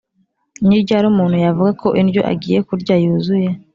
ni ryari umuntu yavuga ko indyo agiye kurya yuzuye.